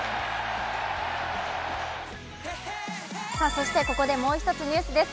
そしてここでもう一つ、ニュースです。